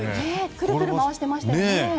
くるくる回していましたね。